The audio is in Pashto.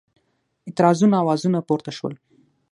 اعتراضونو آوازونه پورته شول.